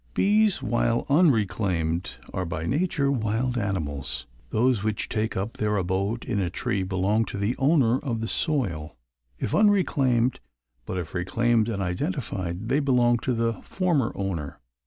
"Bees while unreclaimed, are by nature wild animals. Those which take up their abode in a tree belong to the owner of the soil, if unreclaimed, but if reclaimed and identified, they belong to the former owner.